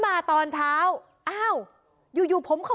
วิทยาลัยศาสตรี